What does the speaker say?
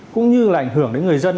cũng như là ảnh hưởng đến người dân